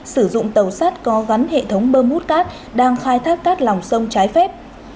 sử dụng tàu sắt có gắn hệ thống bơm hút cát đang khai thác cát lòng sông trái phép